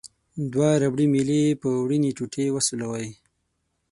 دوه ربړي میلې په وړینې ټوټې وسولوئ.